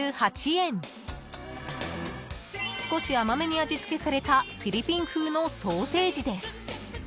［少し甘めに味付けされたフィリピン風のソーセージです］